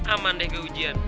aman deh keujian